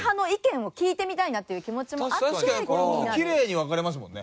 これきれいに分かれますもんね。